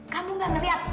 kamu enggak ngelihat